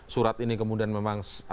surat ini kemudian memang